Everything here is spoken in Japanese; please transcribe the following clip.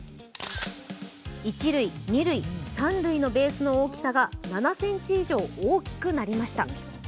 一・二塁・三塁のベースの大きさが７ｃｍ以上大きくなりました。